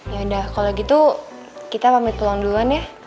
yaudah kalo gitu kita pamit pulang duluan ya